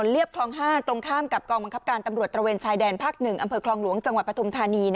เรียบคลอง๕ตรงข้ามกับกองบังคับการตำรวจตระเวนชายแดนภาค๑อำเภอคลองหลวงจังหวัดปฐุมธานี